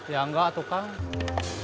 ya enggak tukang